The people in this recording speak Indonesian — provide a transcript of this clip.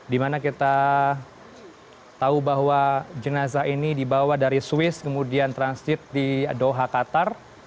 di mana kita tahu bahwa jenazah ini dibawa dari swiss kemudian transit di doha qatar